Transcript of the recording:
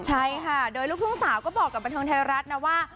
ใช่ค่ะโดยลูกคุณสาวก็บอกกันไปทั้งแท้รัฐนะว่า